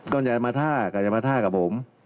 ก็อย่ามาท่าก็อย่ามาท่ากับผม